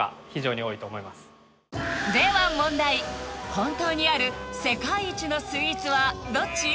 本当にある世界一のスイーツはどっち？